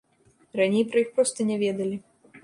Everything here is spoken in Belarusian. Раней пра іх проста не ведалі.